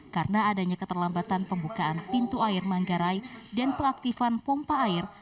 karena adanya keterlambatan pembukaan pintu air manggarai dan peaktifan pompa air